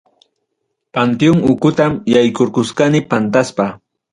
Panteón ukutam yaykurusqani, pantaspay.